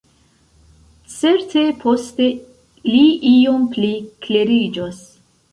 Certe poste li iom pli kleriĝos.